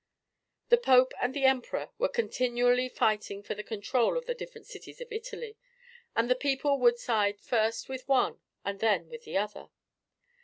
The Pope and the Emperor were continually fighting for the control of the different cities of Italy, and the people would side first with one and then with the other.